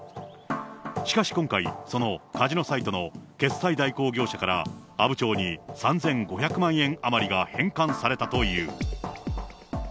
しかし今回、そのカジノサイトの決済代行業者から阿武町に３５００万円余りが返還されたという。